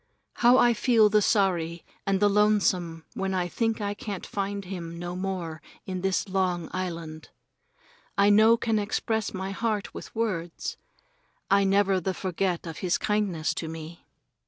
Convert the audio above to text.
How I feel the sorry and the lonesome when I think I can't find him no more in this long island. I no can express my heart with words. I never the forget of his kindness to me.